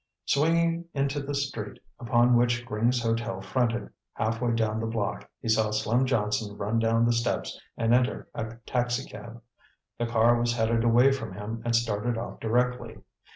Swinging into the street upon which Gring's Hotel fronted, halfway down the block, he saw Slim Johnson run down the steps and enter a taxicab. The car was headed away from him and started off directly.